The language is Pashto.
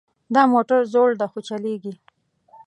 دا موټر زوړ ده خو چلیږي